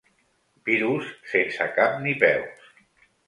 Virus sense cap ni peus.